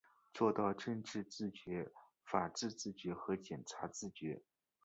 做到政治自觉、法治自觉和检察自觉